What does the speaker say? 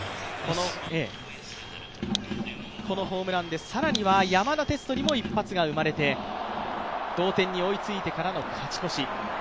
このホームランでさらには山田哲人にも一発が生まれて同点に追いついてからの勝ち越し。